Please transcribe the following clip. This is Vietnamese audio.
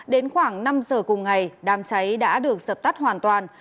đến khoảng năm h cùng ngày đám cháy đã được sập tắt hoàn toàn